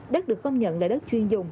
đất được công nhận là đất chuyên dùng